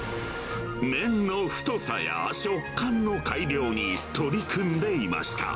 麺の太さや食感の改良に取り組んでいました。